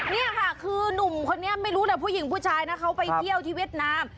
นี่ค่ะคือนุ่มคนนี้ไม่รู้แต่ผู้หญิงผู้ชายนะเขาไปเที่ยวที่เวียดนาม